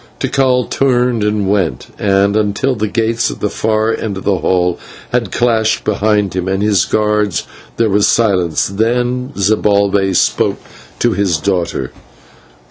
Tikal turned and went, and, until the gates at the far end of the hall had clashed behind him and his guards, there was silence. Then Zibalbay spoke to his daughter.